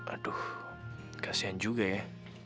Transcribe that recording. aduh kasihan juga ya